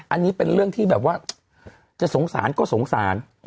อันนี้เป็นเรื่องที่แบบว่าจะสงสารก็สงสาร